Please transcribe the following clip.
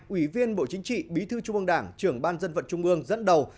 ủy viên bộ chính trị bí thư trung ương đảng trưởng ban dân vận trung ương dẫn đầu